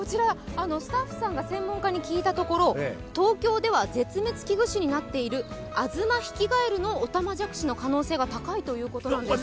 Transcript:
スタッフさんが専門家に聞いたところ、東京では絶滅危惧種になっているアズマヒキガエルのオタマジャクシの可能性が高いということなんです。